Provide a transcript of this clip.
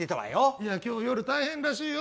いや今日夜大変らしいよ。